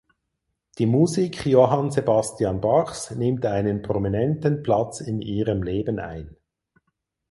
Die Musik Johann Sebastian Bachs nimmt einen prominenten Platz in ihrem Leben ein.